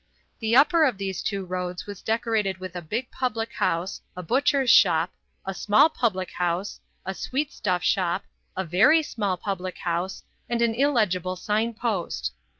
The upper of these two roads was decorated with a big public house, a butcher's shop, a small public house, a sweetstuff shop, a very small public house, and an illegible signpost.